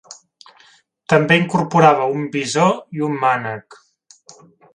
També incorporava un visor i un mànec.